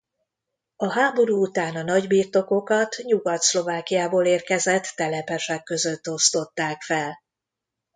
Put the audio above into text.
A háború után a nagybirtokokat Nyugat-Szlovákiából érkezett telepesek között osztották fel.